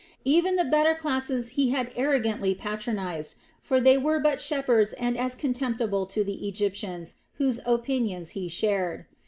Even the better classes he had arrogantly patronized; for they were but shepherds and as such contemptible to the Egyptians, whose opinions he shared.